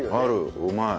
うまい。